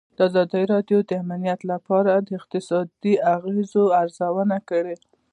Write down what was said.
ازادي راډیو د امنیت په اړه د اقتصادي اغېزو ارزونه کړې.